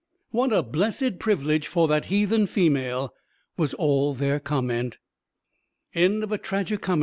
"What a blessed privilege for that heathen female!" was all their comment. _The Memory Clearing House.